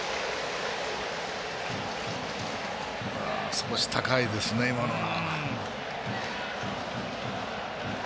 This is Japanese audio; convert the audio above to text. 少し高いですね、今のは。